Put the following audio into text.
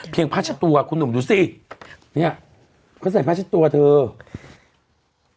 เพียงผ้าชะตัวคุณหนูดูสิเหี้ยเขาใส่ผ้าชะตัวเถอะ